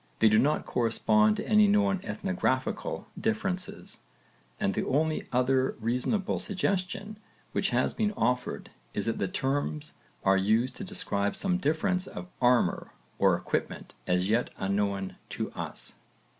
They do not correspond to any known ethnographical differences, and the only other reasonable suggestion which has been offered is that the terms are used to describe some difference of armour or equipment as yet unknown to us.